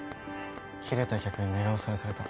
切れた客に寝顔さらされた。